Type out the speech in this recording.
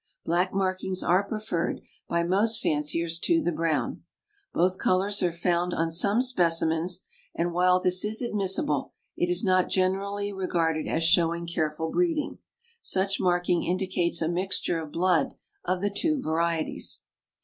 Black markings are preferred, by most fan ciers, to the brown. Both colors are found on some speci mens, and while this is admissible, it is not generally regarded as showing careful breeding. Such marking indicates a mixture of blood of the two varieties.